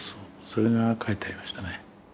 それが書いてありましたね。